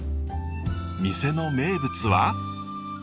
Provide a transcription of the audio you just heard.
店の名物は。